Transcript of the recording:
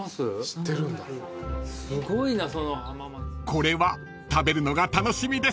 ［これは食べるのが楽しみです］